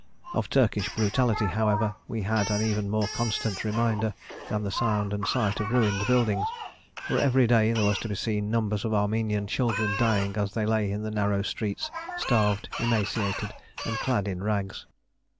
Of Turkish brutality, however, we had an even more constant reminder than the sound and sight of ruined buildings; for every day there were to be seen numbers of Armenian children dying as they lay in the narrow streets, starved, emaciated, and clad in rags.